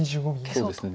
そうですね。